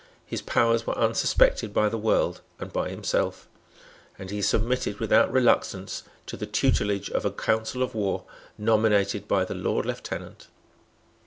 His powers were unsuspected by the world and by himself; and he submitted without reluctance to the tutelage of a Council of War nominated by the Lord Lieutenant.